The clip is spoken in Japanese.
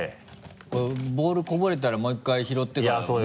これボールこぼれたらもう１回拾ってからだもんね。